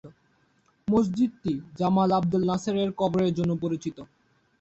মসজিদটি Jamal Abdel Nasser এর কবরের জন্য পরিচিত।